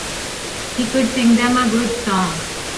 He could sing 'em a good song.